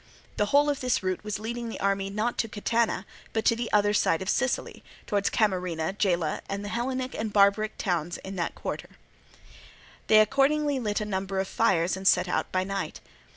The whole of this route was leading the army not to Catana but to the other side of Sicily, towards Camarina, Gela, and the other Hellenic and barbarian towns in that quarter. They accordingly lit a number of fires and set out by night.